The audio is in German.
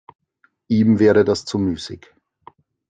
Ihm wäre das zu müßig.